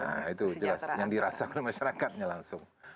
nah itu jelas yang dirasa oleh masyarakatnya langsung